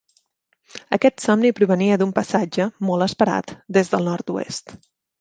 Aquest somni provenia d'un passatge, molt esperat, des del nord-oest.